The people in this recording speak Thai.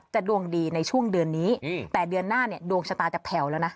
ดวงดีในช่วงเดือนนี้แต่เดือนหน้าเนี่ยดวงชะตาจะแผ่วแล้วนะ